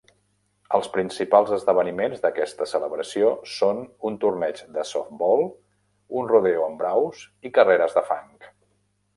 Els principals esdeveniments d"aquesta celebració són un torneig de softbol, un rodeo amb braus i carreres de fang.